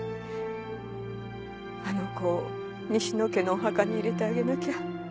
あの子を西野家のお墓に入れてあげなきゃ。